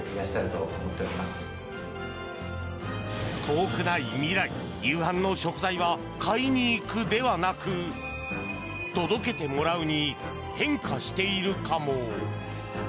遠くない未来、夕飯の食材は「買いに行く」ではなく「届けてもらう」に変化しているかも。